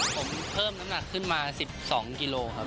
ผมเพิ่มน้ำหนักขึ้นมา๑๒กิโลครับ